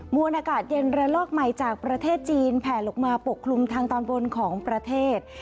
วนอากาศเย็นระลอกใหม่จากประเทศจีนแผลลงมาปกคลุมทางตอนบนของประเทศ